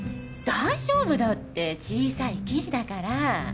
大丈夫だって小さい記事だから。